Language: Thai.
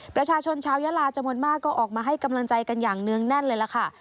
ประชาชนชาวยาลาจำนวนมากก็ออกมาให้กำลังใจกันอย่างเนื่องแน่นเลยล่ะค่ะ